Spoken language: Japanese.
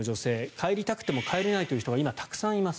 帰りたくても帰れないという人が今、たくさんいます。